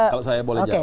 kalau saya boleh jawab